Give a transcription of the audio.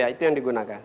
itu yang digunakan